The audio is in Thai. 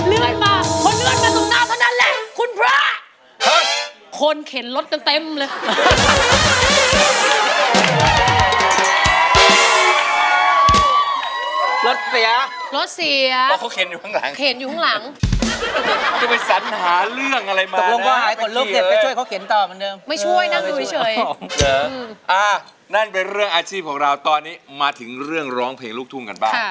ไอ้ผีสิงห์แล้วนี่